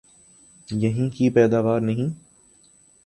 یہیں کی پیداوار نہیں؟